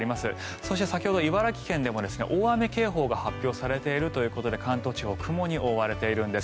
そして先ほど茨城県でも大雨警報が発表されているということで関東地方雲に覆われているんです。